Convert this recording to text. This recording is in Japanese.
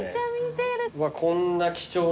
うわこんな貴重な。